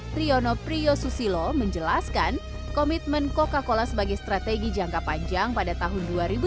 triono priyo susilo menjelaskan komitmen coca cola sebagai strategi jangka panjang pada tahun dua ribu dua puluh